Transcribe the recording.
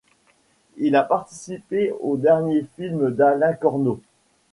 Il a participé aux derniers films d'Alain Corneau.